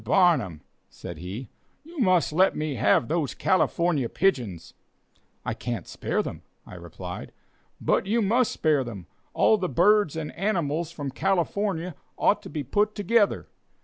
Barnum," said he, "you must let me have those California pigeons." "I can't spare them," I replied. "But you must spare them. All the birds and animals from California ought to be together.